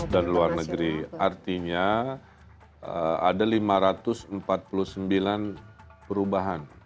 dan luar negeri artinya ada lima ratus empat puluh sembilan perubahan